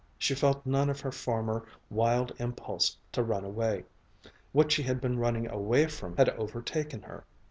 She felt none of her former wild impulse to run away. What she had been running away from had overtaken her.